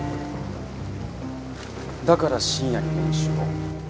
だから深夜に練習を？